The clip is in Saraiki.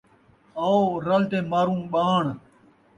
آؤ، رَل تے ماروں ٻاݨ